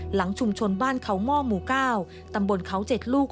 หลังชุมชนบ้านเขาหม้อหมู่๙ตำบลเขา๗ลูก